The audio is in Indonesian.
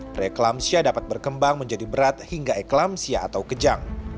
preeklampsia dapat berkembang menjadi berat hingga eklampsia atau kejang